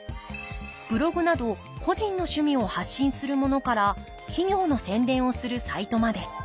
ブログなど個人の趣味を発信するものから企業の宣伝をするサイトまで。